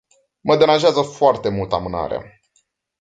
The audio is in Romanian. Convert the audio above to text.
Mă deranjează foarte mult amânarea.